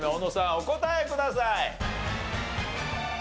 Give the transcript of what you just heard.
お答えください。